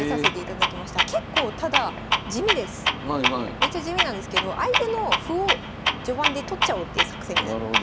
めちゃ地味なんですけど相手の歩を序盤で取っちゃおうっていう作戦になります。